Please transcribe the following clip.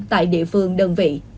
tại địa phương đơn vị